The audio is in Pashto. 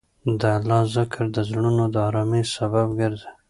د الله ذکر د زړونو د ارامۍ سبب ګرځي.